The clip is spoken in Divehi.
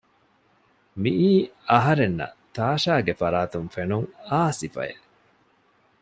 މިއީ އަހަރެންނަށް ތާޝާގެ ފަރާތުން ފެނުން އާ ސިފައެއް